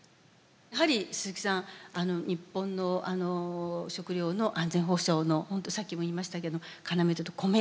やはり鈴木さん日本の食料の安全保障のほんとさっきも言いましたけど要というとコメですよね。